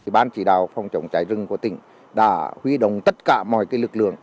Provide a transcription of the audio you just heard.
bàn chỉ đào phòng chống cháy rừng của tỉnh đã huy động tất cả mọi lực lượng